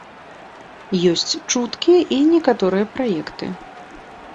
Ёсць чуткі і некаторыя праекты.